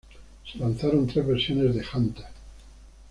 Se lanzaron tres versiones de "Hunter".